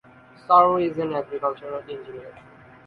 Soro is an agricultural engineer.